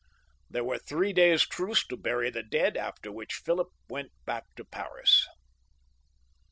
There were three days' truce to bury the dead, after which Philip went back to Paris.